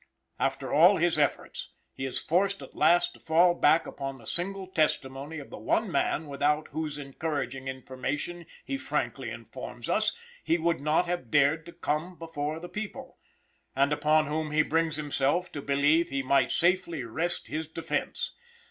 After all his efforts, he is forced at last to fall back upon the single testimony of the one man without whose encouraging information he frankly informs us he would not have dared to come before the people, and upon whom he brings himself to believe he might safely rest his defense.